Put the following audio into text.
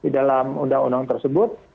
di dalam undang undang tersebut